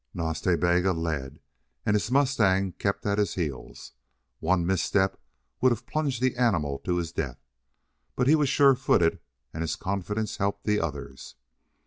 Nas Ta Bega led, and his mustang kept at his heels. One misstep would have plunged the animal to his death. But he was surefooted and his confidence helped the others.